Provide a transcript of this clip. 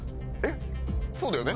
そうだよね？